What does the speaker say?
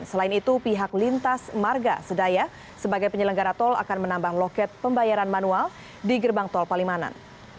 selain itu pihak lintas marga sedaya sebagai penyelenggara tol akan menambah loket pembayaran manual di gerbang tol palimanan